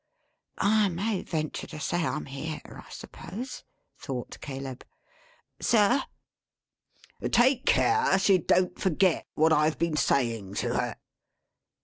"I may venture to say I'm here, I suppose," thought Caleb. "Sir!" "Take care she don't forget what I've been saying to her."